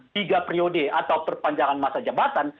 tiga periode atau perpanjangan masa jabatan